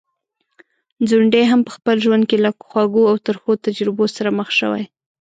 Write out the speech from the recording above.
ځونډی هم په خپل ژوند کي له خوږو او ترخو تجربو سره مخ شوی.